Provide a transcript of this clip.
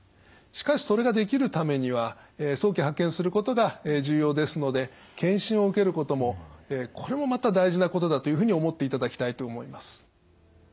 しかしそれができるためには早期発見することが重要ですので検診を受けることもこれもまた大事なことだというふうに思っていただきたいと思います。